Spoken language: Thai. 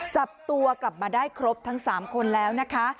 จับตัวกลับมาได้ครบทั้ง๓คนแล้วนะคะ